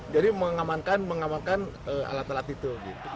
jadi mengamankan alat alat itu